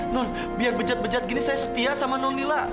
non biar bejat bejat gini saya setia sama nonila